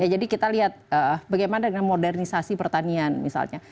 jadi kita lihat bagaimana dengan modernisasi pertanian misalnya